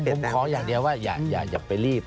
ผมขออย่างเดียวว่าอย่าไปรีบ